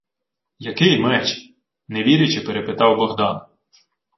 — Який меч?.. — не вірячи, перепитав Богдан.